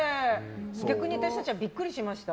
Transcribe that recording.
逆に私たちはビックリしました。